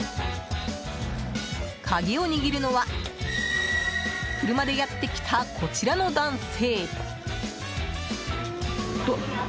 鍵を握るのは車でやってきた、こちらの男性。